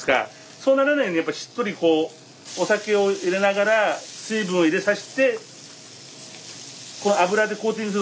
そうならないようにやっぱりしっとりこうお酒を入れながら水分を入れさして油でコーティングする。